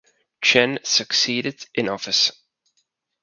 Chen succeeded in office.